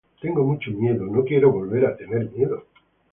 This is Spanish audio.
tengo mucho miedo. no quiero volver a tener miedo.